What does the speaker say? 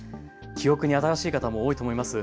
記憶に新しい方も多いと思います。